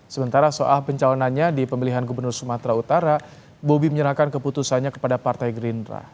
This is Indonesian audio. sementara soal pencalonannya di pemilihan gubernur sumatera utara bobi menyerahkan keputusannya kepada partai gerindra